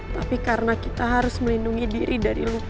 tapi karena kita harus melindungi diri dari luka